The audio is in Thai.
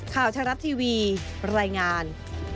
ข่าวชะลับทีวีรายงาน